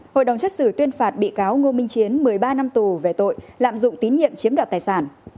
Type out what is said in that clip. hội đồng xét xử tuyên phạt bị cáo ngô minh chiến một mươi ba năm tù về tội lạm dụng tín nhiệm chiếm đoạt tài sản